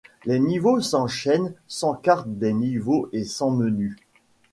Les niveaux s'enchaînent sans carte des niveaux et sans menu.